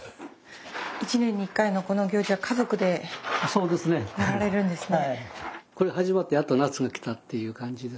１年に１回のこの行事は家族でやられるんですね。